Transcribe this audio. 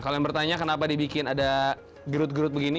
kalau yang bertanya kenapa dibikin ada gerut gerut begini